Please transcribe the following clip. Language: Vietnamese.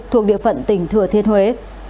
thuộc địa phận tỉnh thừa thiên huế